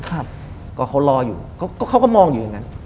ก็เขารออยู่ก็เขาก็มองอยู่อย่างนั้น